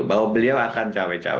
bahwa beliau akan cewek cewek